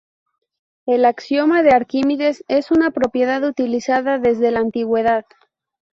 El axioma de Arquímedes es una propiedad utilizada desde la Antigüedad.